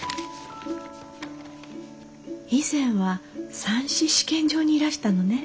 以前は蚕糸試験場にいらしたのね。